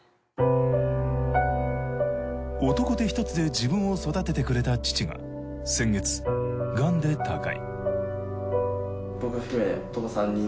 男手１つで自分を育ててくれた父が先月がんで他界。